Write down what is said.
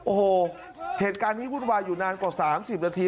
โอ้โหเหตุการณ์นี้วุ่นวายอยู่นานกว่า๓๐นาที